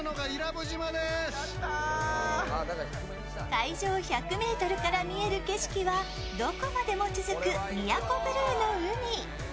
海上１００ｍから見える景色は、どこまでも続く宮古ブルーの海。